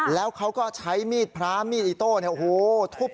แล้วเขาก็ใช้มีดพระมีดอิโต้ทุบ